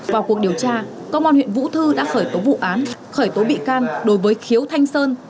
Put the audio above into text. vào cuộc điều tra công an huyện vũ thư đã khởi tố vụ án khởi tố bị can đối với khiếu thanh sơn